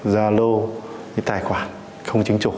gia lô tài khoản không chính chủ